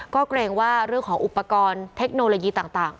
ก็เกรงว่าเรื่องของอุปกรณ์เทคโนโลยีต่าง